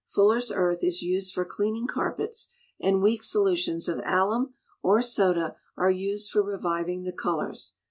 Fuller's earth is used for cleaning carpets, and weak solutions of alum or soda are used for reviving the colours.